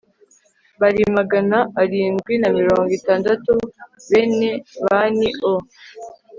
bari magana arindwi na mirongo itandatu bene bani o